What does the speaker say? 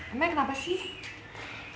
emangnya kenapa sih